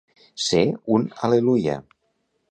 Ser un al·leluia.